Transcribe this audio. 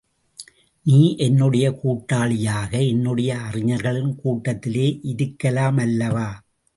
நீ என்னுடைய கூட்டாளியாக என்னுடைய அறிஞர்களின் கூட்டத்திலே இருக்கலாமல்லவா?